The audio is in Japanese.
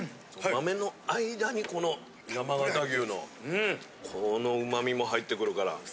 豆の間にこの山形牛のこの旨味も入ってくるから。